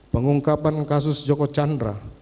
pengungkapan kasus joko chandra